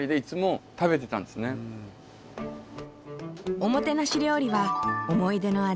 おもてなし料理は思い出の味